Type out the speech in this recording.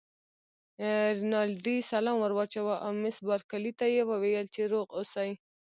رینالډي سلام ور واچاوه او مس بارکلي ته یې وویل چې روغ اوسی.